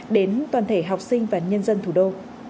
đến toàn thể học sinh và nhân dân thủ đô